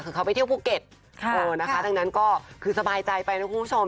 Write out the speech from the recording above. คือเขาไปเที่ยวภูเก็ตนะคะดังนั้นก็คือสบายใจไปนะคุณผู้ชม